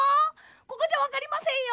ここじゃわかりませんよ。